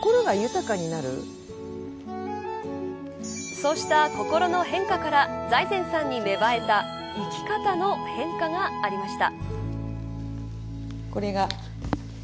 そうした心の変化から財前さんに芽生えた生き方の変化がありました。